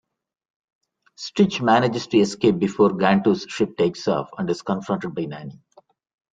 Stitch manages to escape before Gantu's ship takes off and is confronted by Nani.